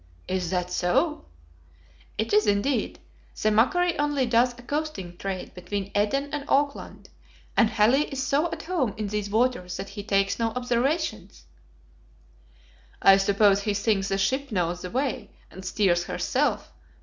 "Is that so?" "It is indeed. The MACQUARIE only does a coasting trade between Eden and Auckland, and Halley is so at home in these waters that he takes no observations." "I suppose he thinks the ship knows the way, and steers herself."